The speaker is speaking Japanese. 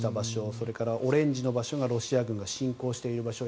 それからオレンジの場所がロシア軍が侵攻している場所